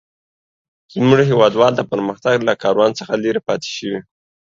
زموږ هيوادوال د پرمختګ له کاروان څخه لري پاته شوي.